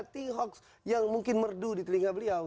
tidak ada yang merdu di telinga beliau